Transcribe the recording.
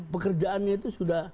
pekerjaannya itu sudah